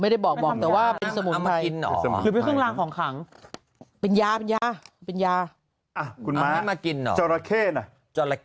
ไม่ได้บอกแต่ว่าเป็นสมุนไพริน